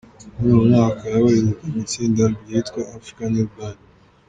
Muri uwo mwaka yabarizwaga mu itsinda ryitwa “Africa Nil Band”.